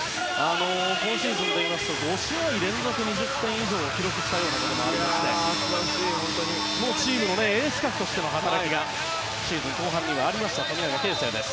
今シーズンは５試合連続で２０点以上を記録したこともありましてチームのエース格としての働きがシーズン後半にありました富永啓生です。